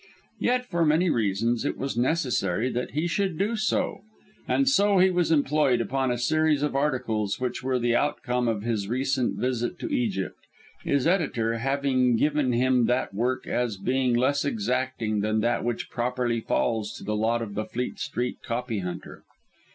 Yet for many reasons it was necessary that he should do so, and so he was employed upon a series of articles which were the outcome of his recent visit to Egypt his editor having given him that work as being less exacting than that which properly falls to the lot of the Fleet Street copy hunter.